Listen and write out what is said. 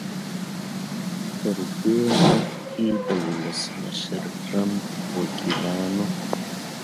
تر دې مخکې د ولسمشر ټرمپ وکیلانو